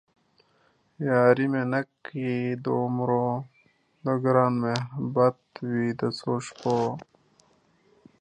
یار مې نه کئ د عمرو ـ د ګران محبت وئ د څو شپو